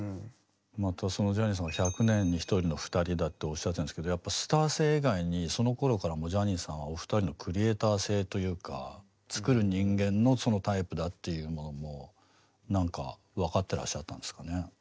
ジャニーさんは１００年に１人の２人だっておっしゃってたんですけどやっぱスター性以外にそのころからもうジャニーさんはお二人のクリエーター性というか作る人間のそのタイプだというのをなんか分かってらっしゃったんですかね。